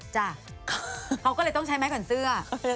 จ้ะเขาก็เลยต้องใช้ไม้ขวัญเสื้อ